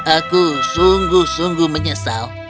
aku sungguh sungguh menyesal